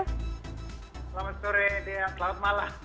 selamat sore selamat malam